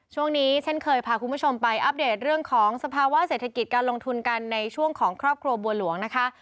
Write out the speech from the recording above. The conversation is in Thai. ช่วงนี้เช่นเคยพาคุณผู้ชมไปอัปเดตเรื่องของสภาวะเศรษฐกิจการลงทุนกันในช่วงของครอบครัวบัวหลวงนะคะ